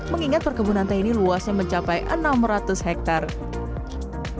mengingat perkebunan teh ini luasnya mencapai enam ratus hektare